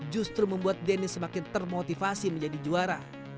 justru membuat denny semakin termotivasi menjadi juara